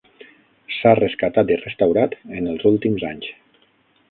S'ha rescatat i restaurat en els últims anys.